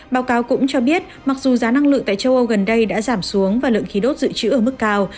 báo cáo cũng cho biết mặc dù giá năng lượng tại châu âu gần đây đã giảm xuống và lượng khí đốt dự trữ ở mức cao